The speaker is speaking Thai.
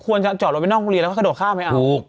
ควรจะจอดรถไปนอกอุโรงเรียนแล้วก็กระโดดข้ามไว้เอา